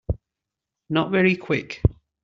Not very Quick.